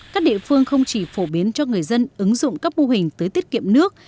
các địa phương không chỉ phổ biến cho người dân ứng dụng các mô hình tưới tiết kiệm nước